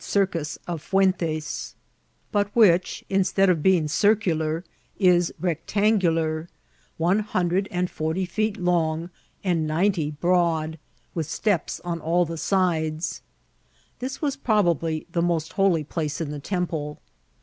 143 circoB of Fuentes, bnt which, instead of being circular, is rectangular, one hundred and forty feet long and nine* ty broad, with steps on all the sides. This was proba* bly the most holy place in the temple.